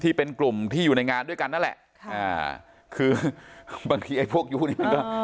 ที่เป็นกลุ่มที่อยู่ในงานด้วยกันนั่นแหละค่ะอ่าคือบางทีไอ้พวกยู้เนี่ยมันก็